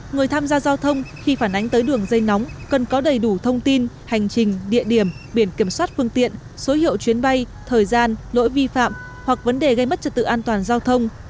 người tham gia giao thông khi phản ánh tới đường dây nóng cần có đầy đủ thông tin hành trình địa điểm biển kiểm soát phương tiện số hiệu chuyến bay thời gian lỗi vi phạm hoặc vấn đề gây mất trật tự an toàn giao thông